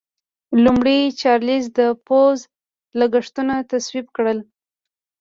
لومړي چارلېز د پوځ لګښتونه تصویب کړل.